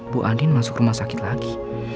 bu adin masuk rumah sakit lagi